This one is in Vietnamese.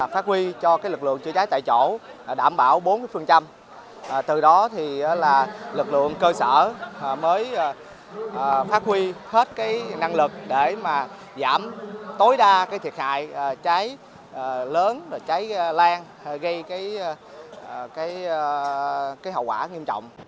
phát huy cho lực lượng chữa cháy tại chỗ đảm bảo bốn từ đó lực lượng cơ sở mới phát huy hết năng lực để giảm tối đa thiệt hại cháy lớn cháy lan gây hậu quả nghiêm trọng